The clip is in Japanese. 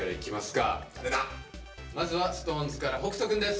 まずはＳｉｘＴＯＮＥＳから北斗くんです。